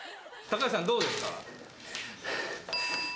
高橋さん、どうですか？